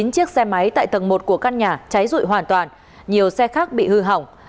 chín chiếc xe máy tại tầng một của căn nhà cháy rụi hoàn toàn nhiều xe khác bị hư hỏng